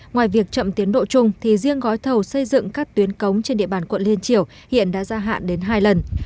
ngoài việc chậm tiến độ chung thì riêng gói thầu xây dựng các tuyến cống trên địa bàn quận liên triều hiện đã gia hạn đến hai lần